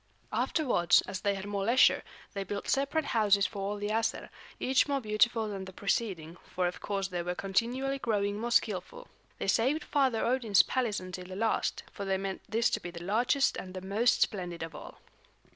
Afterwards, as they had more leisure, they built separate houses for all the Æsir, each more beautiful than the preceding, for of course they were continually growing more skillful. They saved Father Odin's palace until the last, for they meant this to be the largest and the most splendid of all.